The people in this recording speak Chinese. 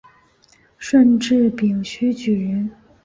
顺治丙戌举人。